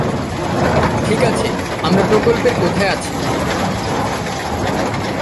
ঠিক আছে, আমরা প্রকল্পের কোথায় আছি?